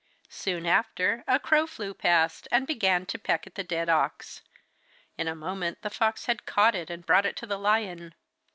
Soon after a crow flew past, and began to peck at the dead ox. In a moment the fox had caught it and brought it to the lion.